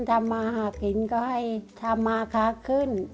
ธรรมาหากินให้ธรมาขขึ้น